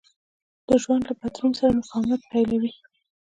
د ژوند له بدلون سره مقاومت پيلوي.